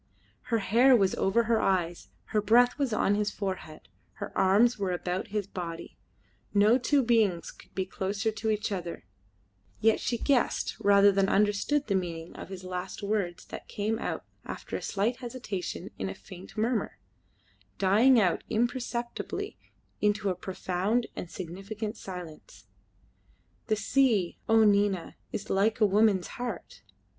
Her hair was over his eyes, her breath was on his forehead, her arms were about his body. No two beings could be closer to each other, yet she guessed rather than understood the meaning of his last words that came out after a slight hesitation in a faint murmur, dying out imperceptibly into a profound and significant silence: "The sea, O Nina, is like a woman's heart."